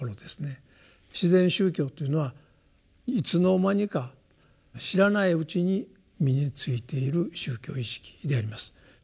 自然宗教というのはいつの間にか知らないうちに身についている宗教意識であります。